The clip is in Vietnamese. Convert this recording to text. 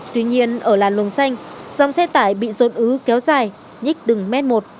tuy nhiên ở làn luồng xanh dòng xe tải bị rộn ứ kéo dài nhích đừng một m